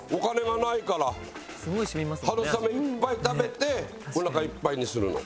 春雨いっぱい食べておなかいっぱいにするの。